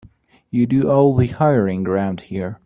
You do all the hiring around here.